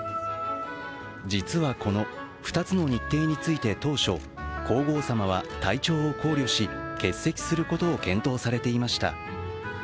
実はこの２つの日程について当初、皇后さまは体調を考慮し、欠席することを検討されていました。